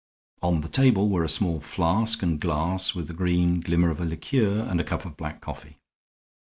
On the table were a small flask and glass, with the green glimmer of a liqueur and a cup of black coffee.